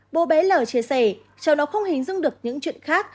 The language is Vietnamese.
bố bé lở chia sẻ cháu nó không hình dung được những chuyện khác